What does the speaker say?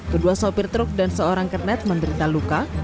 kedua sopir truk dan seorang kernet menderita luka